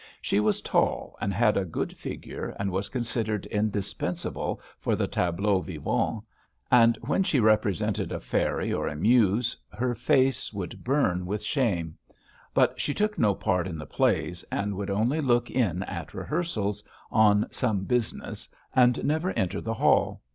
She was tall and had a good figure, and was considered indispensable for the tableaux vivants, and when she represented a fairy or a muse, her face would burn with shame; but she took no part in the plays, and would only look in at rehearsals, on some business, and never enter the hall.